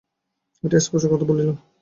এই স্পষ্ট কথা বলিলাম।